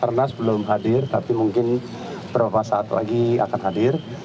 karena sebelum hadir tapi mungkin beberapa saat lagi akan hadir